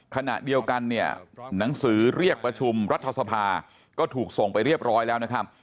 ขณะเดียวกันเนี่ยหนังสือเรียกประชุมรัฐสภาก็ถูกส่งไปเรียบร้อยแล้วนะครับ